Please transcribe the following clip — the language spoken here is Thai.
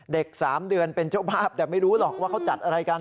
๓เดือนเป็นเจ้าภาพแต่ไม่รู้หรอกว่าเขาจัดอะไรกัน